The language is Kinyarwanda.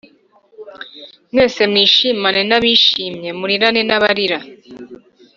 mwese mwishimane nabishimye murirane n’abarira